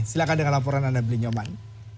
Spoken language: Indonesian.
silahkan dengan laporan anda belinyoman